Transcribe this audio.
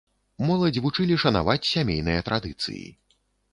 Моладзь вучылі шанаваць сямейныя традыцыі.